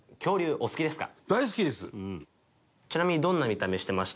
ちなみにどんな見た目してました？